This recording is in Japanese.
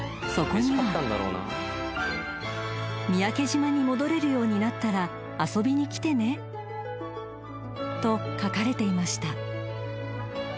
［そこには「三宅島に戻れるようになったら遊びに来てね」と書かれていました］